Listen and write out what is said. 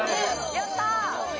やったー！